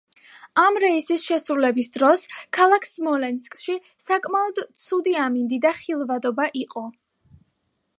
ამ რეისის შესრულების დროს ქალაქ სმოლენსკში საკმაოდ ცუდი ამინდი და ხილვადობა იყო.